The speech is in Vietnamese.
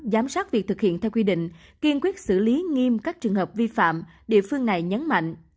giám sát việc thực hiện theo quy định kiên quyết xử lý nghiêm các trường hợp vi phạm địa phương này nhấn mạnh